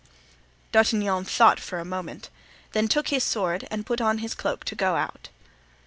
D'Artagnan thought for a moment, then took his sword and put on his cloak to go out.